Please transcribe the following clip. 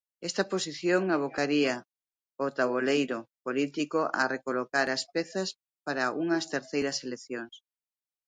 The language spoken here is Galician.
Esta posición abocaría o taboleiro político a recolocar as pezas para unhas terceiras eleccións.